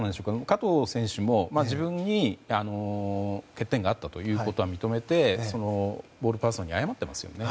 加藤選手も自分に欠点があったということは認めていて、ボールパーソンに謝っていますよね。